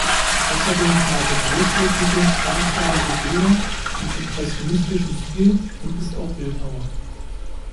Außerdem malt er großflächige stark farbige Bilder im impressionistischen Stil und ist auch Bildhauer.